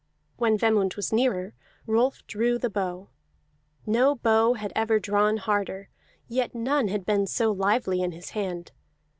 When Vemund was nearer, Rolf drew the bow; no bow had ever drawn harder, yet none had been so lively in his hand.